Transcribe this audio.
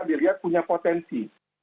dilihat punya potensi